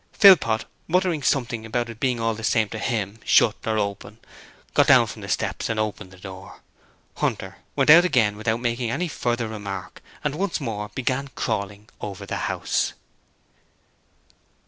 Philpot, muttering something about it being all the same to him shut or open got down from the steps and opened the door. Hunter went out again without making any further remark and once more began crawling over the house.